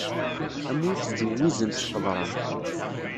Am wi ittǧewwizen s qeḍran.